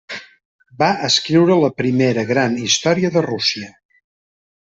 Va escriure la primera gran història de Rússia.